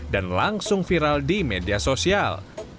dan langsung viral di media sosial